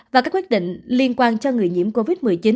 và các quyết định liên quan cho người nhiễm covid một mươi chín